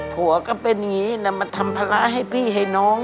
ผัวก็เป็นอย่างนี้นะมาทำภาระให้พี่ให้น้อง